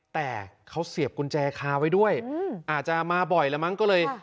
แต่เขาเสียบกุญแจคาไว้ด้วยอาจจะมาบ่อยแล้วมั้งก็เลย